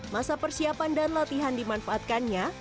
masa persiapan dan latihan dimanfaatkannya